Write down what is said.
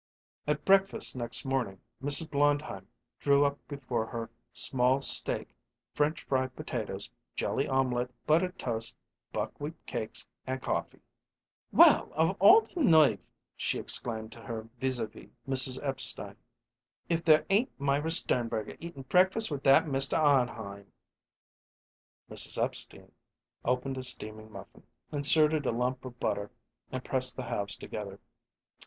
At breakfast next morning Mrs. Blondheim drew up before her "small steak, French fried potatoes, jelly omelet, buttered toast, buckwheat cakes, and coffee." "Well, of all the nerve!" she exclaimed to her vis à vis, Mrs. Epstein. "If there ain't Myra Sternberger eatin' breakfast with that Mr. Arnheim!" Mrs. Epstein opened a steaming muffin, inserted a lump of butter, and pressed the halves together.